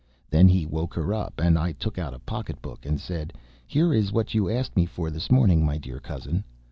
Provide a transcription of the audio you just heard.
Then he woke her up, and I took out a pocketbook and said: "Here is what you asked me for this morning, my dear cousin."